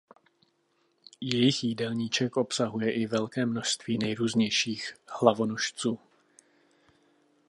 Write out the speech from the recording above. Jejich jídelníček obsahuje i velké množství nejrůznějších hlavonožců.